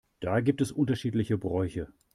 Da gibt es unterschiedliche Bräuche.